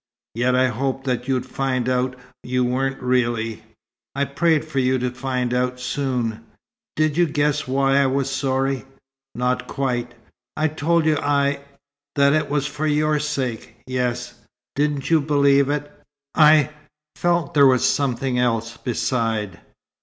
"Yet I hoped that you'd find out you weren't, really. I prayed for you to find out soon." "Did you guess why I was sorry?" "Not quite." "I told you I that it was for your sake." "Yes." "Didn't you believe it?" "I felt there was something else, beside."